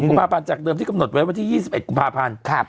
กุมภาพันธ์จากเดิมที่กำหนดไว้วันที่๒๑กุมภาพันธ์